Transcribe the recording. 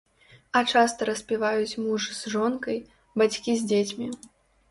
А часта распіваюць муж з жонкай, бацькі з дзецьмі.